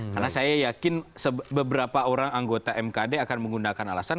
karena saya yakin beberapa orang anggota mkd akan menggunakan alasan